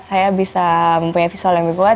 saya bisa mempunyai visual yang lebih kuat